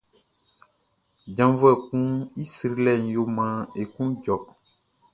Djavuɛ kun i srilɛʼn yo maan e klun jɔ.